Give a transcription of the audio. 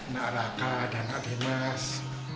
nak raka dan nak dimas